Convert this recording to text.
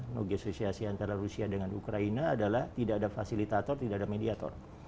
negosiasi antara rusia dengan ukraina adalah tidak ada fasilitator tidak ada mediator